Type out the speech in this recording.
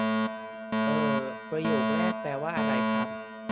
เอ่อ ประโยคแรกแปลว่าไรครับ?